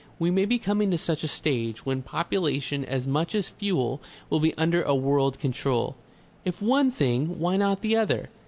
We may be coming to such a stage, when population, as much as fuel, will be under a world control. If one thing, why not the other?